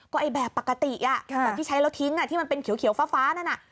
ไอ้แบบปกติแบบที่ใช้แล้วทิ้งที่มันเป็นเขียวฟ้านั่นน่ะ